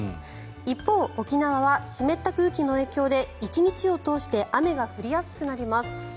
一方、沖縄は湿った空気の影響で１日を通して雨が降りやすくなります。